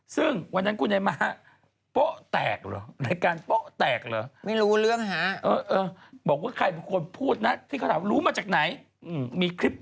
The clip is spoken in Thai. เรื่องถูกชาวเน็ตพูดถึงกันเยอะว่าสรุปจริงไม่จริง